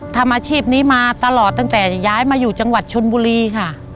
ทำอาชีพนี้มาตลอดตั้งแต่ย้ายมาอยู่จังหวัดชนบุรีค่ะ